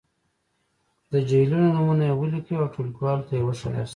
د جهیلونو نومونويې ولیکئ او ټولګیوالو ته یې وښایاست.